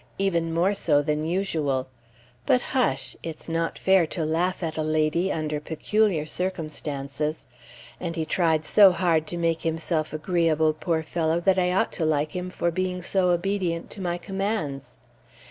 Even more so than usual. But hush! It's not fair to laugh at a lady under peculiar circumstances. And he tried so hard to make himself agreeable, poor fellow, that I ought to like him for being so obedient to my commands.